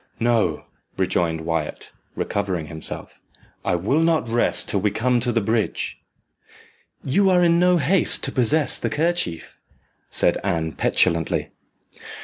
"No," rejoined Wyat, recovering himself; "I will not rest till we come to the bridge." "You are in no haste to possess the kerchief," said Anne petulantly.